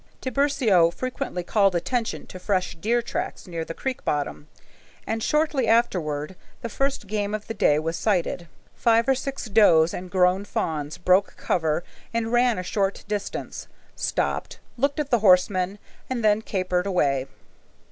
Tiburcio frequently called attention to fresh deer tracks near the creek bottom, and shortly afterward the first game of the day was sighted. Five or six does and grown fawns broke cover and ran a short distance, stopped, looked at the horsemen, and then capered away.